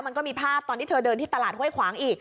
มันก็มีภาพตอนที่เธอเดินที่ตลาดห้วยขวางอีก